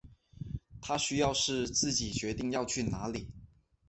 他需要是自己决定要去哪里